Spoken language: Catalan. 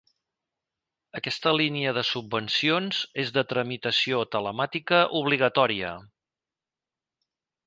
Aquesta línia de subvencions és de tramitació telemàtica obligatòria.